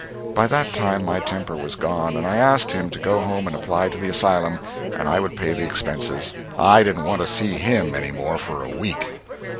By that time my temper was gone, and I asked him to go home and apply to the Asylum and I would pay the expenses; I didn't want to see him any more for a week.